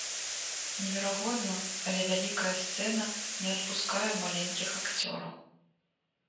Неверагодна, але вялікая сцэна не адпускае маленькіх акцёраў.